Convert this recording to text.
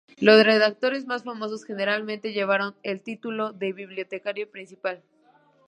Los redactores más famosos generalmente llevaron el título de bibliotecario principal.